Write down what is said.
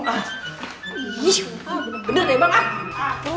syamai banget sih lo